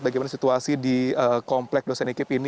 bagaimana situasi di komplek dosen ikib ini